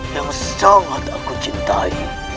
yang sangat aku cintai